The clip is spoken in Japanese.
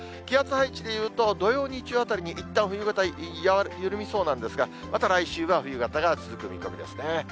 気圧配置でいうと、土曜、日曜あたりにいったん冬型、緩みそうなんですが、また来週は冬型が続く見込みですね。